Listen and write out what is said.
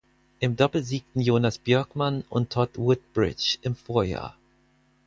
Im Doppel siegten Jonas Björkman und Todd Woodbridge im Vorjahr.